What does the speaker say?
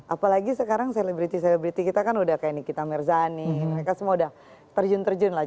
apalagi sekarang selebriti selebriti kita kan udah kayak nikita merzani mereka semua udah terjun terjun lah